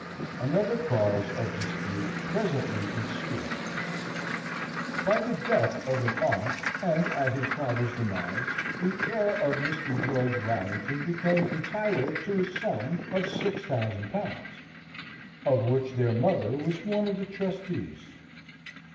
Another cause of dispute presently ensued. By the death of an aunt, and at his father's demise, the heir of Mr. George Warrington became entitled to a sum of six thousand pounds, of which their mother was one of the trustees.